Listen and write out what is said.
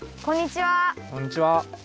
こんにちは。